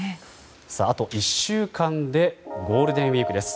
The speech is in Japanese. あと１週間でゴールデンウィークです。